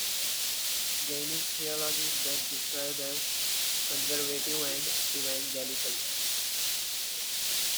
Gaines' theology is best described as conservative and evangelical.